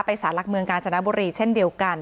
สารหลักเมืองกาญจนบุรีเช่นเดียวกัน